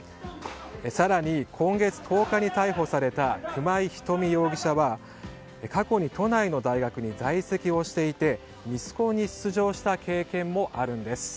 更に、今月１０日に逮捕された熊井ひとみ容疑者は過去に都内の大学に在籍をしていてミスコンに出場した経験もあるんです。